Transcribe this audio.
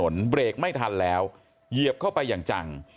อยู่กลางถนนเบรกไม่ทันแล้วเหยียบเข้าไปอย่างจัง